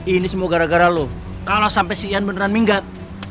ini semua gara gara lu kalau sampai si ian beneran minggat